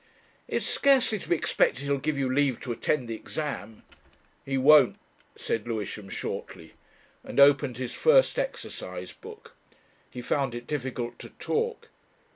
"It's scarcely to be expected he'll give you leave to attend the exam...." "He won't," said Lewisham shortly, and opened his first exercise book. He found it difficult to talk.